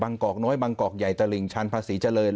บางกรอกน้อยบางกรอกใหญ่ตะลิงชั้นพระศรีเจริญ